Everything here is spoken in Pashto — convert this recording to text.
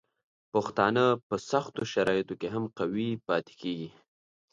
پښتانه په سختو شرایطو کې هم قوي پاتې کیږي.